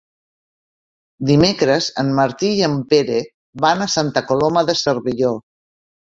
Dimecres en Martí i en Pere van a Santa Coloma de Cervelló.